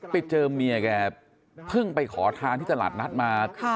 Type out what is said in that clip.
ไปเจอเมียแกเพิ่งไปขอทานที่ตลาดนัดมา